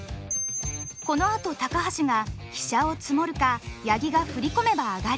このあと高橋が飛車をツモるか八木が振り込めばアガり。